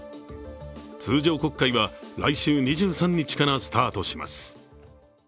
通常国会は来週２３日からスタートします。